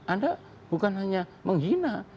anda bukan hanya menghina